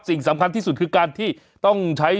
สิ่งสำคัญที่สุดคือการที่ต้องใช้